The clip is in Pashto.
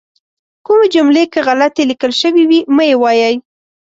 کومې جملې که غلطې لیکل شوي وي مه یې وایئ.